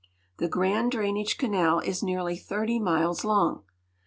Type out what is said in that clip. The grand drainage canal is nearly 30 miles long.